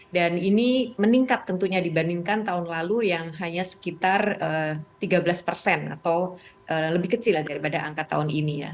dan ini meningkat tentunya dibandingkan tahun lalu yang hanya sekitar tiga belas persen atau lebih kecil daripada angka tahun ini ya